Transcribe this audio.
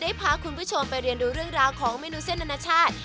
พาคุณผู้ชมไปเรียนดูเรื่องราวของเมนูเส้นอนาชาติ